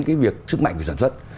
cái việc sức mạnh của sản xuất